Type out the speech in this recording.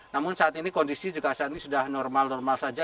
namun saat ini kondisi juga saat ini sudah normal normal saja